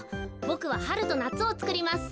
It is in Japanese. ボクははるとなつをつくります。